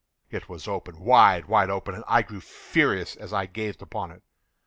It was open—wide, wide open—and I grew furious as I gazed upon it.